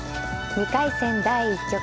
２回戦第１局。